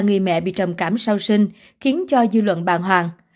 người mẹ bị trầm cảm sau sinh khiến cho dư luận bàng hoàng